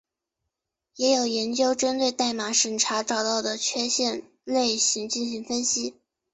也有研究针对代码审查找到的缺陷类型进行分析。